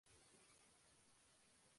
Fue ascendido a general.